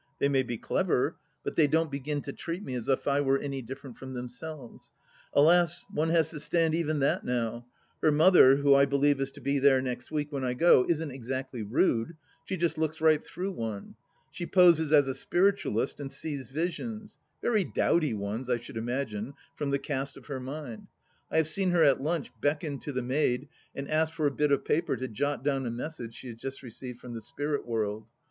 They may be clever, but they don't begin to treat me as if I were any different from themselves. Alas, one has to stand even that now ! Her mother, who I believe is to be there next week when I go, isn't exactly rude : she just looks right through one. She poses as a spiritualist, and sees visions : very dowdy ones, I should imagine, from the cast of her mind. I have seen her at lunch beckon to the maid and ask for a bit of paper to jot down a message she has just received from the Spirit World.